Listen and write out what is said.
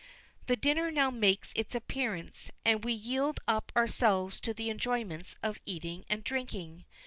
The dinner now makes its appearance, and we yield up ourselves to the enjoyments of eating and drinking.